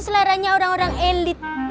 seleranya orang orang elit